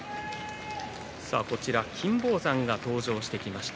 金峰山が登場してきました。